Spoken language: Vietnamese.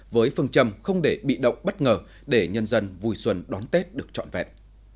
với phương châm không để bị động bất ngờ để nhân dân vui xuân đón tết được trọn vẹn